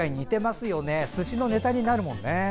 すしのネタになるもんね。